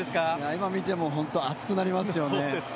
今、見ても本当に熱くなりますよね。